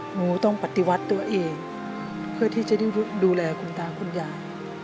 หนูต้องปฏิวัติตัวเองเพื่อที่จะได้ดูแลคุณตาคุณยาย